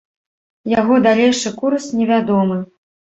Яго далейшы курс невядомы.